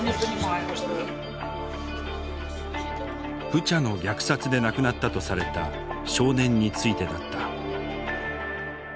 ブチャの虐殺で亡くなったとされた少年についてだった。